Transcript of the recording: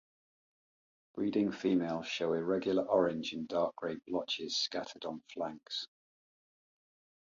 Breeding females show irregular orange and dark grey blotches scattered on flanks.